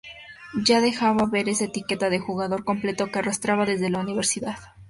Ya dejaba ver esa etiqueta de jugador completo que arrastraba desde la universidad.